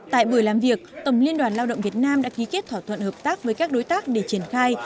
tại buổi làm việc tổng liên đoàn lao động việt nam đã ký kết thỏa thuận hợp tác với các đối tác để triển khai